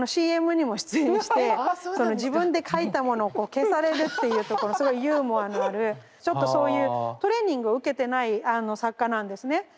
ＣＭにも出演して自分で書いたものを消されるっていうところそういうユーモアのあるちょっとそういうトレーニングを受けてない作家なんですね。